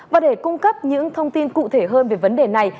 và để cung cấp những thông tin cụ thể hơn về vấn đề này